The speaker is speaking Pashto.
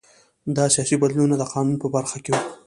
دا سیاسي بدلونونه د قانون په برخه کې وو